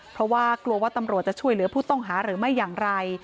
เพราะว่ากลัวว่าตำรวจจะช่วยเหลือผู้ต้องหาหรือไม่อย่างไร